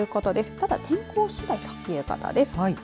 ただ、天候しだいということです。